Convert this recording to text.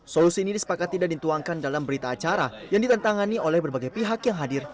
solusi ini disepakat tidak dituangkan dalam berita acara yang ditentangani oleh berbagai pihak yang hadir